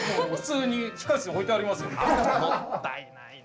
もったいないな。